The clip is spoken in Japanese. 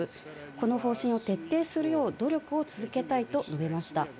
この方針を徹底するよう努力を続けたいと述べました。